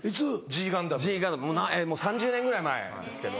『Ｇガンダム』もう３０年ぐらい前ですけど。